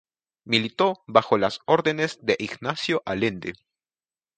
Militó bajo las órdenes de Ignacio Allende.